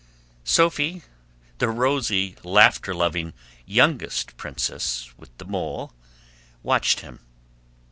Sophie, the rosy, laughter loving, youngest princess with the mole, watched him.